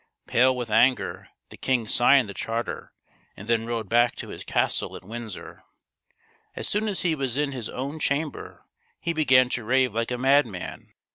Pale with anger, the king signed the charter, and then rode back to his castle at Windsor. As soon as he was in his own chamber he began to rave like a madman.